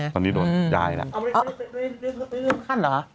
ตอนนี้โดนยายน่ะ